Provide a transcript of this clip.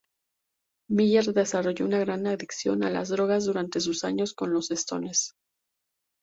Miller desarrollo una gran adicción a las drogas durante sus años con los Stones.